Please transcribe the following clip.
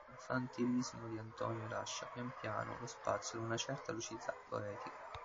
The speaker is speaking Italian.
L'infantilismo di Antonio lascia pian piano lo spazio ad una certa lucidità poetica.